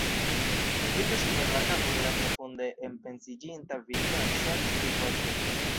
Subite super la kapo de la profunde enpensiĝinta virino eksonis du voĉoj.